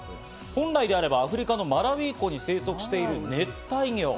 本来であればアフリカのマラウイ湖に生息している熱帯魚。